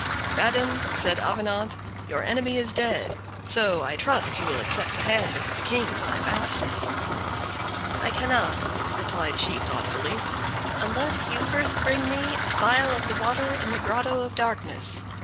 "Madam," said Avenant, "your enemy is dead; so I trust you will accept the hand of the King my master." "I cannot," replied she thoughtfully, "unless you first bring me a phial of the water in the Grotto of Darkness.